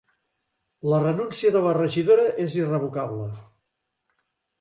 La renúncia de la regidora és irrevocable